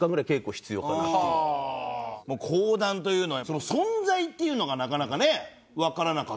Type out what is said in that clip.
もう講談というのはその存在っていうのがなかなかねわからなかったから。